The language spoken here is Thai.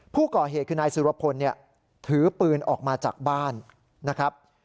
ผู้ก่อเหตุคือนายสุรพลเนี่ยถือปืนออกมาจากบ้านนะครับ